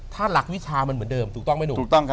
ถ้าหลักวิชามันเหมือนเดิมถูกต้องไหมหนู